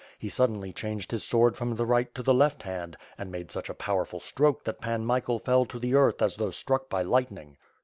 He suddenly changed his sword from the right to the left hand and made such a powerful stroke that Pan Michael fell to the earth as though struck by lightning.